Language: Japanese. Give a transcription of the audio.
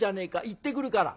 行ってくるから」。